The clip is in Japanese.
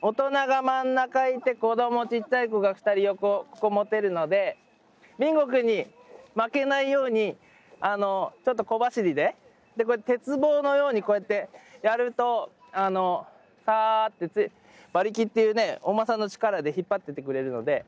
大人が真ん中にいてちっちゃい子が２人横ここ持てるのでビンゴくんに負けないようにちょっと小走りで鉄棒のようにこうやってやるとサーッて馬力っていうねお馬さんの力で引っ張っていってくれるので。